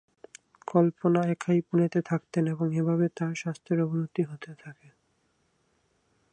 কল্পনা একাই পুনেতে থাকতেন এবং এভাবে তাঁর স্বাস্থ্যের অবনতি হতে থাকে।